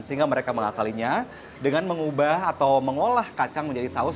sehingga mereka mengakalinya dengan mengubah atau mengolah kacang menjadi saus